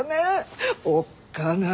おっかな。